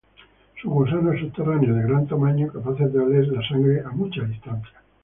Son gusanos subterráneos de gran tamaño capaces de oler la sangre a mucha distancia.